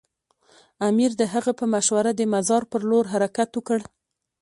امیر د هغه په مشوره د مزار پر لور حرکت وکړ.